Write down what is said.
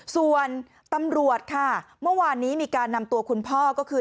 ส่วนตำรวจค่ะเมื่อวานนี้มีการนำตัวคุณพ่อก็คือ